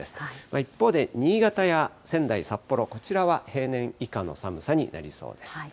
一方で、新潟や仙台、札幌、こちらは平年以下の寒さになりそうです。